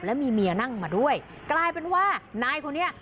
แล้วมีเมียนั่งมาด้วยกลายเป็นว่านายคนนี้